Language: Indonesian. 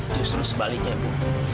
justru sebaliknya bu